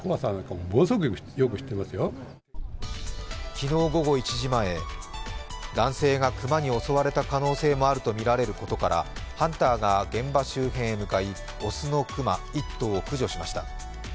昨日午後１時前、男性が熊に襲われた可能性もあるとみられることからハンターが現場周辺へ向かい、雄の熊１頭を駆除しました。